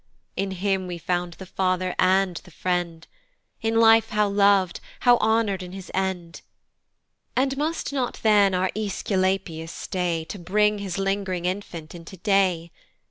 In him we found the father and the friend: In life how lov'd! how honour'd in his end! And must not then our AEsculapius stay To bring his ling'ring infant into day?